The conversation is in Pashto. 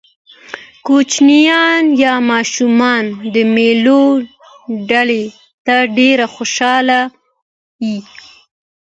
کوچنيان يا ماشومان و مېلو ډېر ته ډېر خوشحاله يي.